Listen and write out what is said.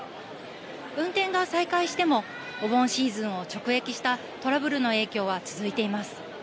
運転が再開してもお盆シーズンを直撃したトラブルの影響は続いています。